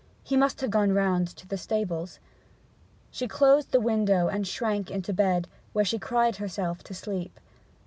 He must have gone round to the stables. She closed the window and shrank into bed, where she cried herself to sleep.